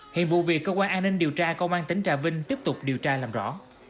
hiện vụ việc cơ quan an ninh điều tra công an tỉnh trà vinh tiếp tục điều tra làm rõ